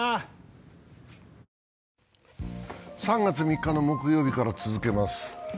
３月３日の木曜日から続けます。